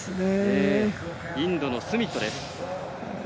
インドのスミットです。